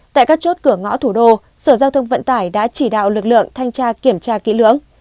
tại các chốt cửa ngõ thủ đô sở giao thông vận tải đã chỉ đạo lực lượng thanh tra kiểm tra kỹ lưỡng